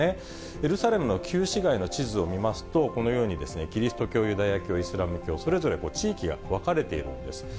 エルサレムの旧市街の地図を見ますと、このように、キリスト教、ユダヤ教、イスラム教、それぞれ地域が分かれているんです。